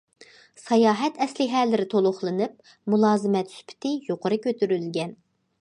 ساياھەت ئەسلىھەلىرى تولۇقلىنىپ، مۇلازىمەت سۈپىتى يۇقىرى كۆتۈرۈلگەن.